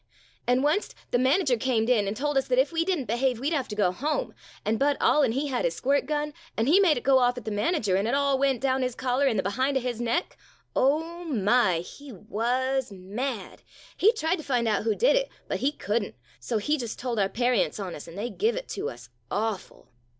An' onct the manager earned in an' tor us that if we did n't behave we 'd have to go home, an' Bud Allin he had his squirt gun, an' he made it go off at the man ager, an' it all went down his collar in the behind of his neck ! Oh, my — he wuz mad ! He tried to find who did it, but he could n't, so he just tol' our parients on us, an' they give it to us awful